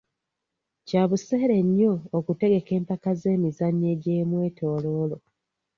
Kya buseere nnyo okutegeka empaka z'emizannyo egy'omwetooloolo.